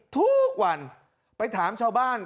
ทุกวันไปถามชาวบ้าน